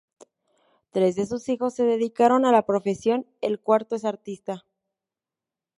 Tres de su hijos se dedicaron a la profesión, el cuarto es artista.